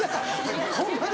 ホンマに？